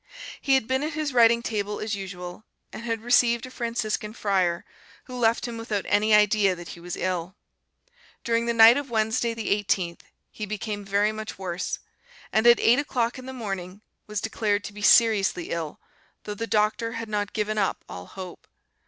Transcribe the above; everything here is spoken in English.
He had been at his writing table as usual, and had received a Franciscan friar, who left him without any idea that he was ill. During the night of Wednesday, the 18th, he became very much worse, and at eight o'clock in the morning was declared to be seriously ill, though the doctor had not given up all hope.